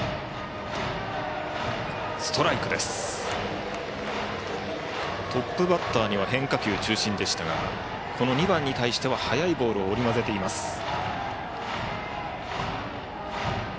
トップバッターには変化球中心でしたが２番に対しては速いボールを織り交ぜています。